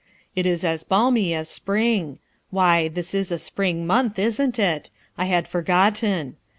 It is as balmy as spring, "Why, this is a spring month, isn't it? I had forgotten.